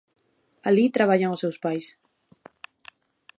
Alí traballan os seus pais.